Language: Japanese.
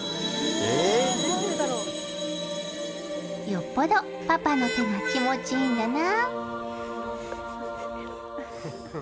よっぽどパパの手が気持ちいいんだな。